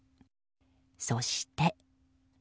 そして。